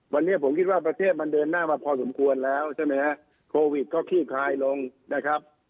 วันนี้ผมคิดว่าประเทศมันเดินหน้ามาพอสมควรแล้วใช่ไหมฮะโควิดก็ขี้คลายลงนะครับ